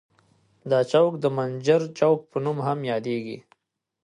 دا چوک د منجر چوک په نوم هم یادیږي.